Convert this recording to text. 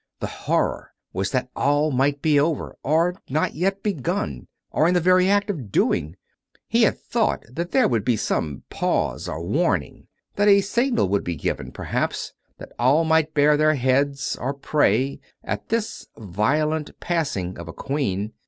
The horror was that all might be over, or not yet begun, or in the very act of doing. He had thought that there would be some pause or warning — that a signal would be given, perhaps, that all might bare their heads or pray, at this violent passing of a Queen.